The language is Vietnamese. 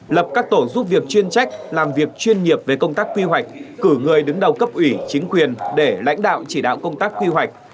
lập các tổ giúp việc chuyên trách làm việc chuyên nghiệp về công tác quy hoạch cử người đứng đầu cấp ủy chính quyền để lãnh đạo chỉ đạo công tác quy hoạch